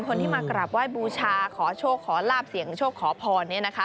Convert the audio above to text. คนที่มากราบว่ายบูชาขอโชคขอลาบเสียงโชคขอพรเนี่ยนะคะ